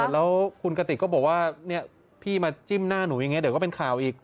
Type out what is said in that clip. แล้วคุณกติกก็บอกว่าพี่มาจิ้มหน้าหนูอย่างนี้เดี๋ยวก็เป็นข่าวอีก